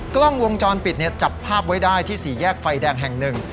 กล้องวงจรปิดจับภาพไว้ได้ที่สี่แยกไฟแดงแห่งหนึ่ง